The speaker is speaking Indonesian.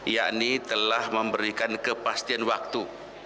yakni telah memberikan kepastian waktu